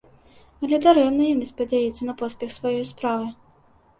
Але дарэмна яны спадзяюцца на поспех сваёй справы.